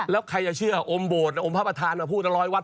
แล้วใครจะเชื่ออมโบสถอมพระประธานมาพูดร้อยวัด